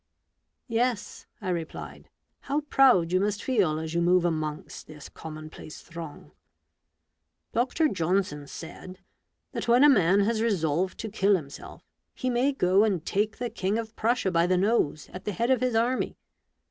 "Yes," I replied; "how proud you must feel as you move amongst this commonplace throng ! Dr. Johnson said, that when a man has resolved to kill himself, he may go and take the king of Prussia by the nose, at the head of his army.